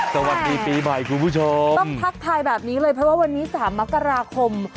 สวัสดีปีใหม่คุณผู้ชมต้องทักทายแบบนี้เลยเพราะว่าวันนี้๓มกราคม